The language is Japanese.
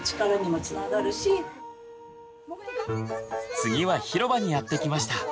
次は広場にやって来ました。